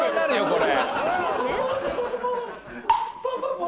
これ。